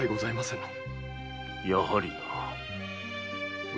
やはりな。